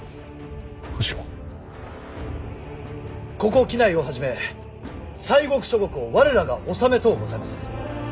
ここ畿内をはじめ西国諸国を我らが治めとうございます。